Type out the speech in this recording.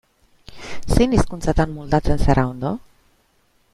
Zein hizkuntzatan moldatzen zara ondo?